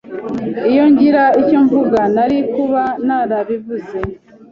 Iyo ngira icyo mvuga, nari kuba narabivuze.